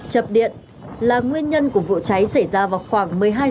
chập điện là nguyên nhân của vụ cháy xảy ra vào ngày bốn tháng năm